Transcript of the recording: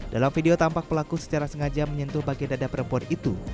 dalam video tampak pelaku secara sengaja menyentuh bagian dada perempuan itu